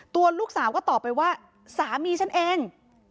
ตัวลูกสาวก็ตอบไปว่าสามีฉันเอง